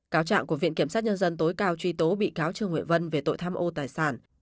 cáo trạng của viện kiểm sát nhân dân tối cao truy tố bị cáo trương huệ vân về tội tham ô tài sản